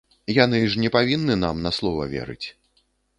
Яны ж не павінны нам на слова верыць.